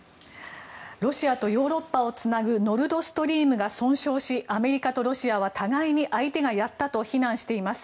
ロシアとヨーロッパをつなぐノルドストリームが損傷しアメリカとロシアは互いに相手がやったと非難しています。